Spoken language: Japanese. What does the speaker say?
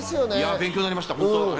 勉強になりました、本当に。